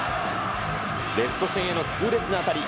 レフト線への痛烈な当たり。